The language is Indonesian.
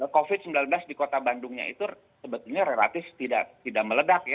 covid sembilan belas di kota bandungnya itu sebetulnya relatif tidak meledak ya